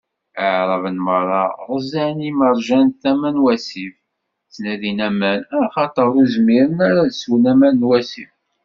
Iɛraben meṛṛa ɣzan imerjan tama n wasif, ttnadin aman, axaṭer ur zmiren ara ad swen aman n wasif.